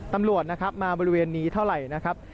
ตำรวจนะครับมาบริเวณนี้เท่าไหร่นะครับ